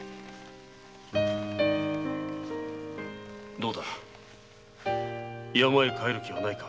どうだ山へ帰る気はないか？